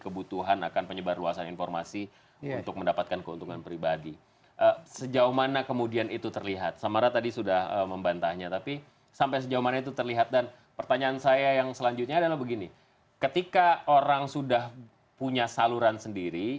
ketika orang sudah punya saluran sendiri